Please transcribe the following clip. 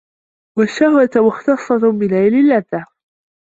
وَالشَّهْوَةَ مُخْتَصَّةٌ بِنَيْلِ اللَّذَّةِ